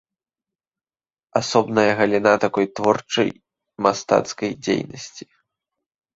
Асобная галіна такой творчай мастацкай дзейнасці.